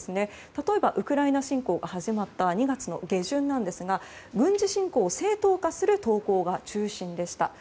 例えば、ウクライナ侵攻が始まった２月の下旬ですが軍事侵攻を正当化する投稿が中心でした。